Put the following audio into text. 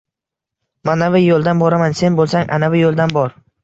Manavi yoʻldan boraman, sen boʻlsang anavi yoʻldan bor